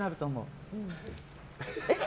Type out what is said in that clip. えっ？